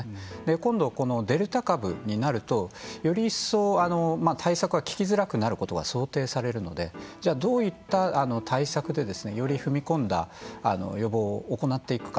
今度このデルタ株になるとより一層対策が効きづらくなることが想定されるのでじゃあどういった対策でより踏み込んだ予防を行っていくか。